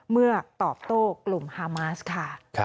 เมื่อตอบโต้กลุ่มฮามาสค่ะ